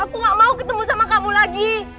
aku gak mau ketemu sama kamu lagi